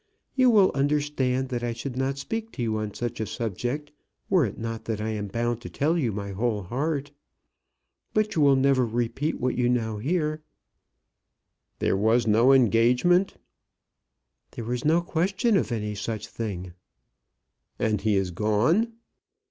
You will understand that I should not speak to you on such a subject, were it not that I am bound to tell you my whole heart. But you will never repeat what you now hear." "There was no engagement?" "There was no question of any such thing." "And he is gone?"